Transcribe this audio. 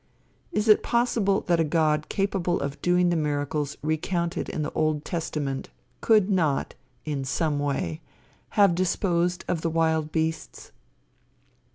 Is it possible that a God capable of doing the miracles recounted in the Old Testament could not, in some way, have disposed of the wild beasts?